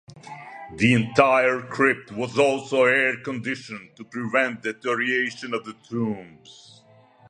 The entire crypt was also air conditioned to prevent deterioration of the tombs.